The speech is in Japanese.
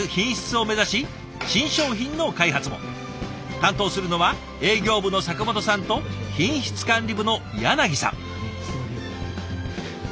担当するのは営業部の阪本さんと品質管理部のさん。